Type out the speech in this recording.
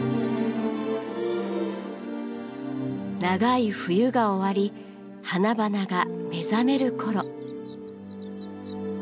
長い冬が終わり花々が目覚める頃。